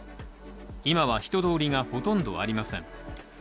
今は人通りがほとんどありません。